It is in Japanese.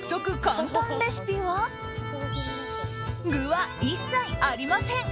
簡単レシピは具は一切ありません！